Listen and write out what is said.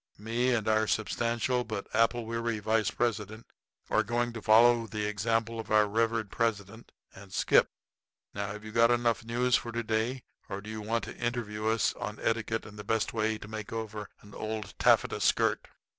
Me and our substantial but apple weary vice president are going to follow the example of our revered president, and skip. Now, have you got enough news for to day, or do you want to interview us on etiquette and the best way to make over an old taffeta skirt?"